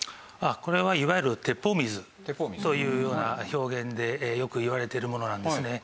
これはいわゆる鉄砲水というような表現でよくいわれているものなんですね。